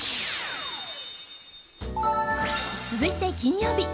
続いて金曜日。